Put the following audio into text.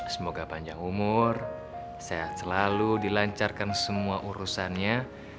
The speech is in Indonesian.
semoga panjang umur sehat selalu dilancarkan semua urusannya